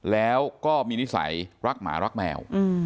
แล้วก็มีนิสัยรักหมารักแมว